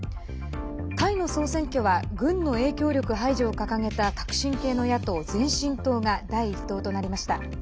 タイの総選挙は軍の影響力排除を掲げた革新系の野党・前進党が第１党となりました。